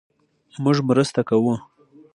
مونږ مرسته کوو